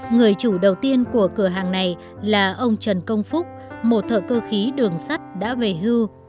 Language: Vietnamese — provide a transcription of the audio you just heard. người chủ đầu tiên của cửa hàng này là ông trần công phúc một thợ cơ khí đường sắt đã về hưu